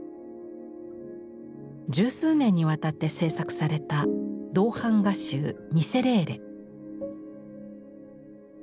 十数年にわたって制作された銅版画集「ミセレーレ」。